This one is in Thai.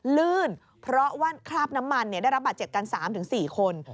ลื่นเพราะว่าคราบน้ำมันได้รับบาดเจ็บกัน๓๔คน